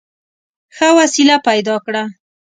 ښه وسیله پیدا کړه.